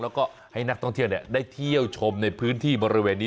แล้วก็ให้นักท่องเที่ยวได้เที่ยวชมในพื้นที่บริเวณนี้